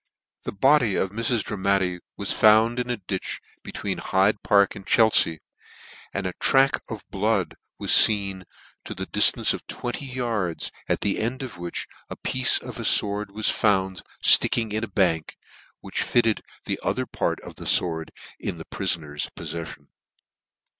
DRAMATTI for Uurder. 71 The body of , Mrs* Dramatti was found in a ditch between Hyde Park and Chelfea, and a track of blood was feen to the diftance of twenty yards, at the end of which a piece of a fword was found flicking in a bank, which fitted the other part of the fword in the prifoner's pofTcfiion.